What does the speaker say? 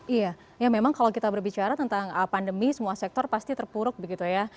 iya ya memang kalau kita berbicara tentang pandemi semua sektor pasti terpuruk begitu ya